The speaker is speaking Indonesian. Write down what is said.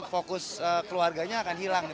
fokus keluarganya akan hilang